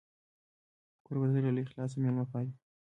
کوربه د زړه له اخلاصه میلمه پالي.